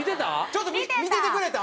ちょっと見ててくれた？